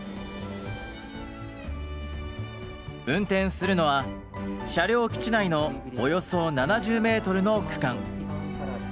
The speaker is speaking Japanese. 運転するのは車両基地内のおよそ７０メートルの区間。